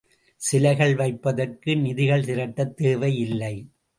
சிலைகள் வைப்பதற்கு நிதிகள் திரட்டத் தேவை இல்லை.